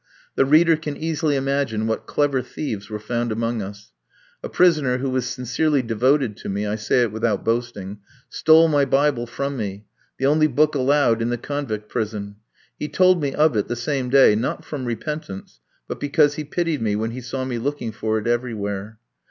The reader can easily imagine what clever thieves were found among us. A prisoner who was sincerely devoted to me I say it without boasting stole my Bible from me, the only book allowed in the convict prison. He told me of it the same day, not from repentance, but because he pitied me when he saw me looking for it everywhere.